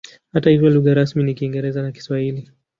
Hata hivyo lugha rasmi ni Kiingereza na Kiswahili.